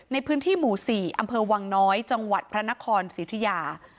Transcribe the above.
ในพื้นที่หมู่๔อำเภอวังน้อยจังหวัดพระนครสิทธิยา